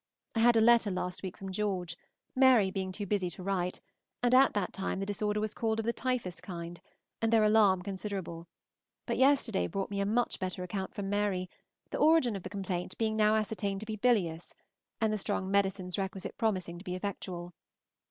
I had a letter last week from George, Mary being too busy to write, and at that time the disorder was called of the typhus kind, and their alarm considerable, but yesterday brought me a much better account from Mary, the origin of the complaint being now ascertained to be bilious, and the strong medicines requisite promising to be effectual.